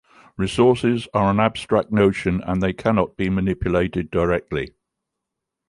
Resources are an abstract notion and they cannot be manipulated directly.